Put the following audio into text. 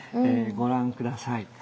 ご覧下さい。